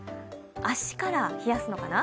足から冷やすのかな？